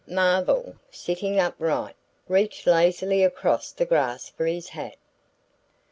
Marvell, sitting upright, reached lazily across the grass for his hat.